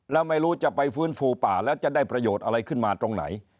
แล้วไม่รู้จะไปฟื้นฟูป่าแล้วจะได้ประโยชน์อะไรขึ้นมาตรงไหน